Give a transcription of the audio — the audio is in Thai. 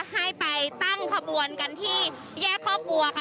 ให้ไปตั้งขบวนกันที่แยกคอกบัวค่ะ